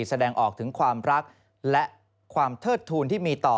แสดงออกถึงความรักและความเทิดทูลที่มีต่อ